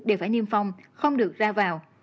đều phải niêm phong không được ra vào